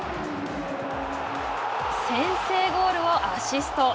先制ゴールをアシスト。